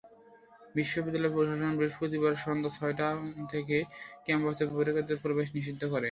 বিশ্ববিদ্যালয় প্রশাসন বৃহস্পতিবার সন্ধ্যা ছয়টা থেকে ক্যাম্পাসে বহিরাগতদের প্রবেশ নিষিদ্ধ করে।